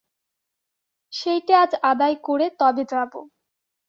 সেইটে আজ আদায় করে তবে যাব।